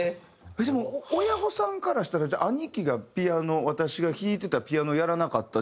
でも親御さんからしたら兄貴がピアノ私が弾いてたピアノをやらなかった。